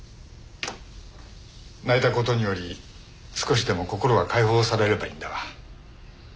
泣いた事により少しでも心が解放されればいいんだが。